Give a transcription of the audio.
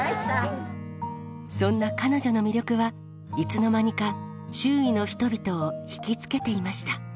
そんな彼女の魅力はいつの間にか周囲の人々をひきつけていました